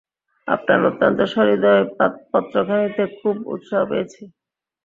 আপনার অত্যন্ত সহৃদয় পত্রখানিতে খুব উৎসাহ পেয়েছি।